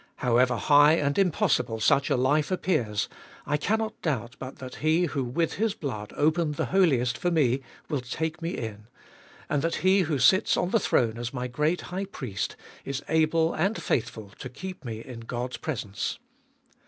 However high and impossible such a life appears, I cannot doubt but that He who with His blood opened the Holiest for me will take me in ; and that He who sits on the throne as my great High Priest is able and faithful to keep me in God's presence.